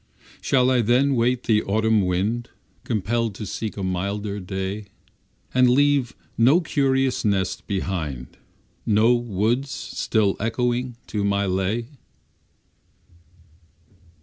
Shall I then wait the autumn wind, Compelled to seek a milder day, And leave no curious nest behind, No woods still echoing to my lay?